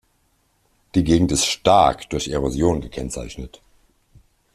Die Gegend ist stark durch Erosion gekennzeichnet.